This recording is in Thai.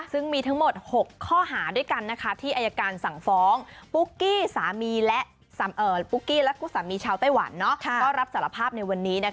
ซึ่งมีทั้งหมด๖ข้อหาด้วยกันที่อายการสั่งฟ้องปุ๊กกี้และสามีชาวไต้หวันรับสารภาพในวันนี้